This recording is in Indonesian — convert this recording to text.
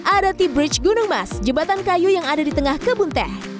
ada ty bridge gunung mas jembatan kayu yang ada di tengah kebun teh